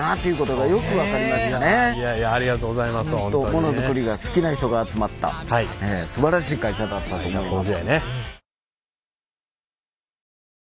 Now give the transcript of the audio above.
モノづくりが好きな人が集まったすばらしい会社だったと思います。